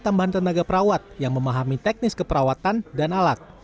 tambahan tenaga perawat yang memahami teknis keperawatan dan alat